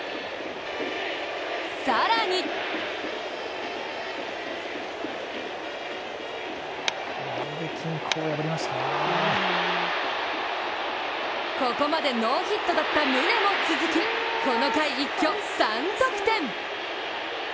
更にここまでノーヒットだった宗も続き、この回、一挙３得点。